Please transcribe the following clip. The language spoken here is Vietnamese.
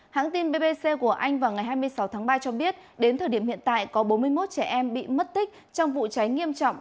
hãng tin bbc của anh vào ngày hai mươi sáu tháng ba cho biết đến thời điểm hiện tại có bốn mươi một trẻ em bị mất tích trong vụ cháy nghiêm trọng